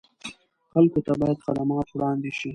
خلکو ته باید خدمات وړاندې شي.